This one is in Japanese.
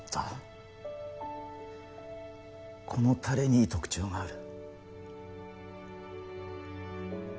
このタレに特徴がある。